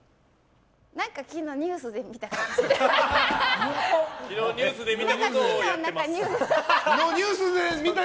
何か昨日、ニュースで見た。